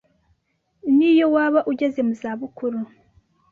niyo waba ugeze mu zabukuru.